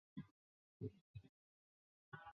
后两种是正常的方式。